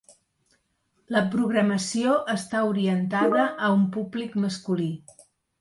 La programació està orientada a un públic masculí.